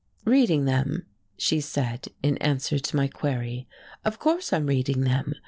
"Reading them?" she said, in answer to my query. "Of course I'm reading them.